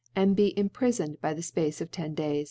and be imprifoned by the Space of ten Days f.